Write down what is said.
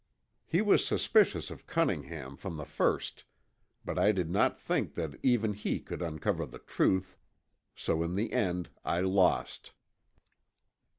He was suspicious of Cunningham from the first, but I did not think that even he could uncover the truth, so in the end I lost."